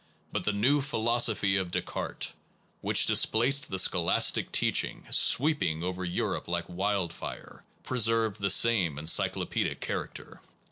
But the new phi losophy of Descartes, which displaced the scholastic teaching, sweeping over Europe like wildfire, preserved the same encyclopaedic character.